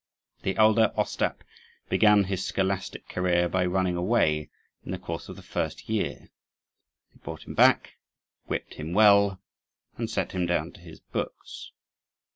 The elder, Ostap, began his scholastic career by running away in the course of the first year. They brought him back, whipped him well, and set him down to his books.